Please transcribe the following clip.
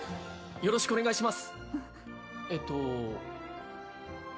よろしくお願いします